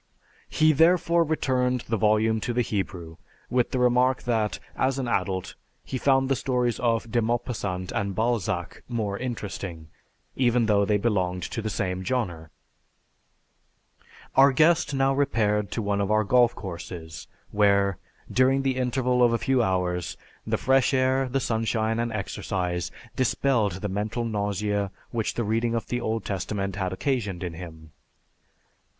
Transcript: He, therefore, returned the volume to the Hebrew with the remark that as an adult he found the stories of De Maupassant and Balzac more interesting, even though they belonged to the same genre. Our guest now repaired to one of our golf courses where, during the interval of a few hours, the fresh air, the sunshine, and exercise dispelled the mental nausea which the reading of the Old Testament had occasioned in him.